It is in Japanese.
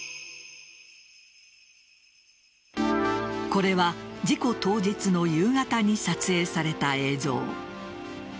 これは事故当日の夕方に撮影された映像。